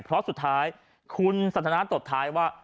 เพราะสุดท้ายคุณสันทนาตบท้ายว่า